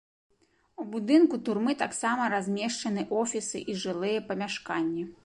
У будынку турмы таксама размешчаны офісы і жылыя памяшканні.